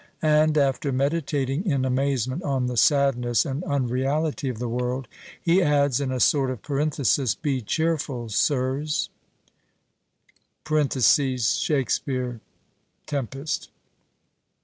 And after meditating in amazement on the sadness and unreality of the world, he adds, in a sort of parenthesis, 'Be cheerful, Sirs' (Shakespeare, Tempest.)